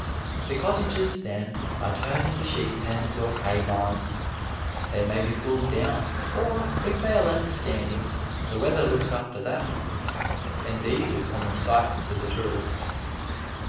The cottages then are turned into sheep pens or hay barns. They may be pulled down, or, if they are left standing, the weather looks after that. And these are common sights to the tourist.